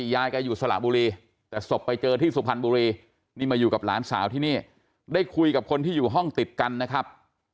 ยายแกอยู่สระบุรีแต่ศพไปเจอที่สุพรรณบุรีนี่มาอยู่กับหลานสาวที่นี่ได้คุยกับคนที่อยู่ห้องติดกันนะครับ